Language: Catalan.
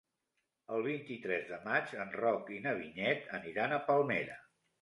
El vint-i-tres de maig en Roc i na Vinyet aniran a Palmera.